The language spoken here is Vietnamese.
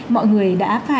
mọi người lại đi học ở trường